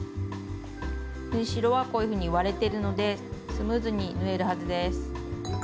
縫い代はこういうふうに割れてるのでスムーズに縫えるはずです。